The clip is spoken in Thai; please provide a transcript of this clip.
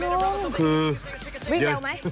วิ่งเร็วไหม